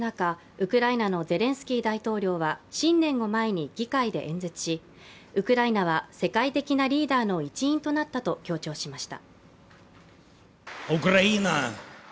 ウクライナのゼレンスキー大統領は新年を前に議会で演説し、ウクライナは世界的なリーダーの一員となったと強調しました。